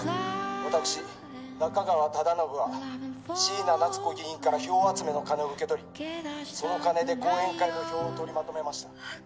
「私中川忠信は椎名七津子議員から票集めの金を受け取りその金で後援会の票をとりまとめました」